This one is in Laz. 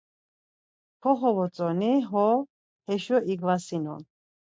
Koxovotzoni, xo eşo iqvasinon.